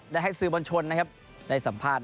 ได้ฮักซึมวัลชนได้สัมภาษณ์ในห้องแถลงกล่าว